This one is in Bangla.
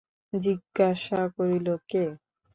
জিজ্ঞাসা করিল, কে?